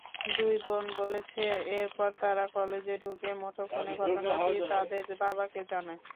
দুই বোন বলেছে, এরপর তারা কলেজে ঢুকে মুঠোফোনে ঘটনাটি তাদের বাবাকে জানায়।